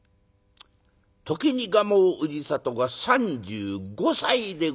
時に蒲生氏郷が３５歳でございます。